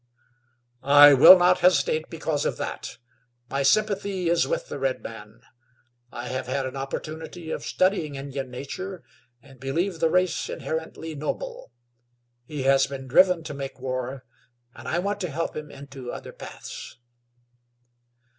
"I will not hesitate because of that. My sympathy is with the redman. I have had an opportunity of studying Indian nature and believe the race inherently noble. He has been driven to make war, and I want to help him into other paths."